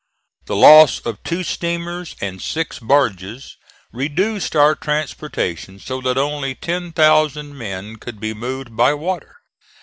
The loss of two steamers and six barges reduced our transportation so that only 10,000 men could be moved by water.